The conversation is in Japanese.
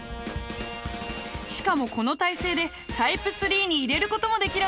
しかもこの体勢でタイプ３に入れることもできるんです。